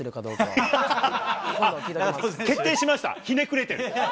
あっ、決定しました、ひねくれてる。